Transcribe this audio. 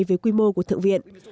về quy mô của thượng viện